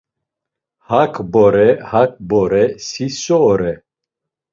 Hak bore, hak bore, si so ore?